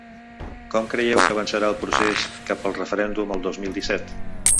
Com creieu que avançarà el procés cap al referèndum el dos mil disset?